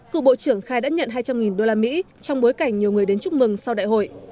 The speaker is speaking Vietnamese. cựu bộ trưởng khai đã nhận hai trăm linh usd trong bối cảnh nhiều người đến chúc mừng sau đại hội